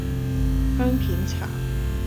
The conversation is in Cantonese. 香片茶